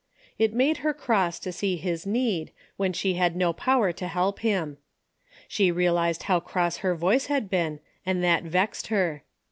It made her cross to ^ee his need, when she had no power to help him. She realized how cross her voice had been and that vexed her.